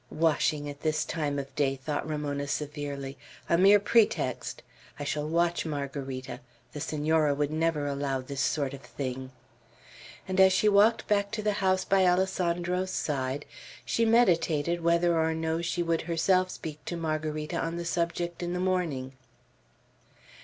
"Washing at this time of day!" thought Ramona, severely. "A mere pretext. I shall watch Margarita. The Senora would never allow this sort of thing." And as she walked back to the house by Alessandro's side, she meditated whether or no she would herself speak to Margarita on the subject in the morning.